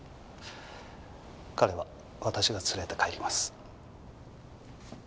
彼は私が連れて帰ります。